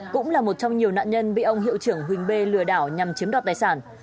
cũng là một trong nhiều nạn nhân bị ông hiệu trưởng huỳnh b lừa đảo nhằm chiếm đoạt tài sản